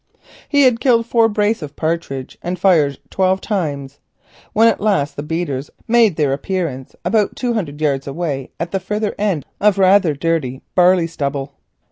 He had killed four brace of partridge and fired eleven times, when at last the beaters made their appearance about two hundred yards away at the further end of rather dirty barley stubble.